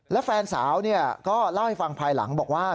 แล้วแฟนสาวก็เล่าให้ฟังภายหลังบอกว่า